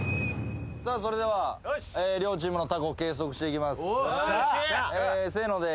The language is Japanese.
それでは両チームのタコを計測していきます。